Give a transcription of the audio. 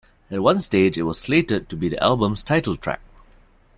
At one stage it was slated to be the album's title track.